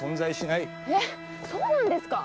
えっそうなんですかあ？